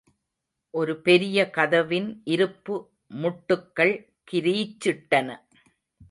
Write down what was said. ஒரு பெரிய கதவின் இருப்பு முட்டுக்கள் கிரீச்சிட்டன.